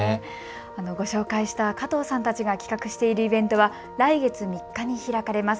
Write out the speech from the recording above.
ご紹介した加藤さんたちが企画しているイベントは来月３日に開かれます。